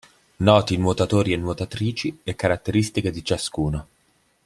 Noti nuotatori e nuotatrici e caratteristiche di ciascuno.